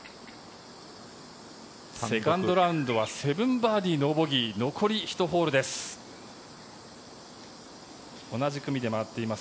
セカンドラウンドは７バーディーノーボギー残り１ホールです。